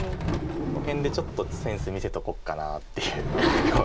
この辺でちょっとセンス見せとこうかなっていうような。